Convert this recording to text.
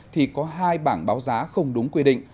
thì có hai bảng báo giá không đúng quy định